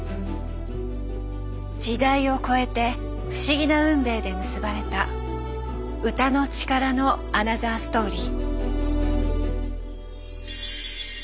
時代を超えて不思議な運命で結ばれた歌の力のアナザーストーリー。